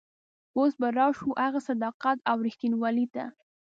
اوس به راشو هغه صداقت او رښتینولي ته.